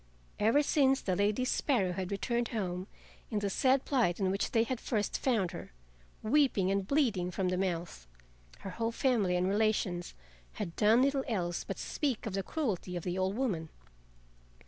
Ever since the Lady Sparrow had returned home in the sad plight in which they had first found her, weeping and bleeding from the mouth, her whole family and relations had done little else but speak of the cruelty of the old woman.